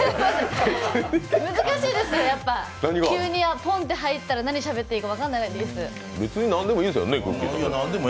難しいですね、やっぱり、急にポンって入ると、何しゃべったらいいか分からないです。